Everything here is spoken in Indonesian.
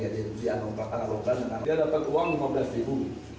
dan dia dapat uang lima belas ribu